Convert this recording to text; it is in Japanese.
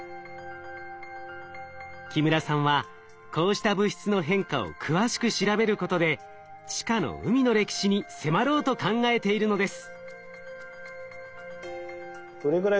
木村さんはこうした物質の変化を詳しく調べることで地下の海の歴史に迫ろうと考えているのです。